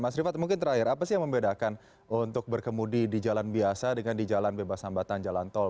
mas rifat mungkin terakhir apa sih yang membedakan untuk berkemudi di jalan biasa dengan di jalan bebas hambatan jalan tol